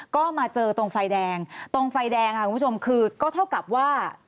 ก็มาเจอตรงไฟแดงตรงไฟแดงค่ะคุณผู้ชมคือก็เท่ากับว่า